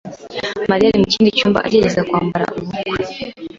Mariya ari mu kindi cyumba agerageza kwambara ubukwe.